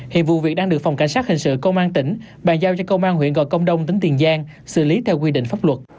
hiện vụ việc đang được phòng cảnh sát hình sự công an tỉnh bàn giao cho công an huyện gò công đông tỉnh tiền giang xử lý theo quy định pháp luật